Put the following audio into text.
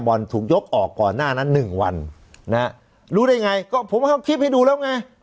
ถูกยกออกก่อนหน้านั้นหนึ่งวันนะฮะรู้ได้ไงก็ผมเอาคลิปให้ดูแล้วไง